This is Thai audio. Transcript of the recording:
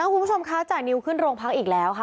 คุณผู้ชมคะจานิวขึ้นโรงพักอีกแล้วค่ะ